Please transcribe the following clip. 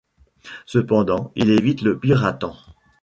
Cependant il évite le pire à temps.